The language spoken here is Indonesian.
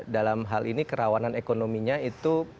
dalam hal ini kerawanan ekonominya itu